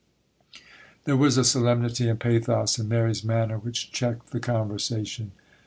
There was a solemnity and pathos in Mary's manner which checked the conversation.